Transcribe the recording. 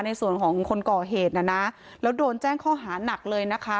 ในส่วนของคนก่อเหตุนะนะแล้วโดนแจ้งข้อหานักเลยนะคะ